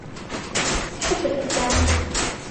أحب الأفلام.